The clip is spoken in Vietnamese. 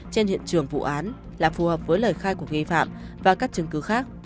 trên hiện trường vụ án là phù hợp với lời khai của nghi phạm và các chứng cứ khác